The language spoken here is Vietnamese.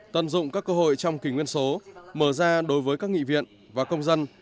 tận dụng các cơ hội trong kỷ nguyên số mở ra đối với các nghị viện và công dân